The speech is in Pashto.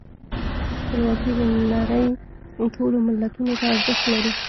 خپلواکي د نړۍ ټولو ملتونو ته ارزښت لري.